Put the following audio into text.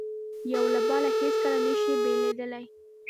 یو له بله هیڅکله نه شي بېلېدای.